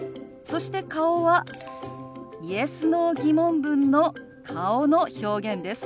そして顔はＹｅｓ／Ｎｏ−疑問文の顔の表現です。